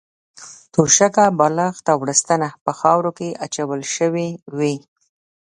توشکه، بالښت او بړستنه په خاورو کې اچول شوې وې.